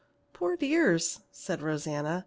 "Poor dears!" said Rosanna.